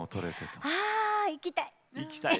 あ行きたい！